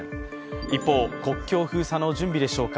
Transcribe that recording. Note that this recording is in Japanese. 一方、国境封鎖の準備でしょうか。